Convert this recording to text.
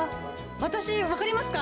私、分かりますか？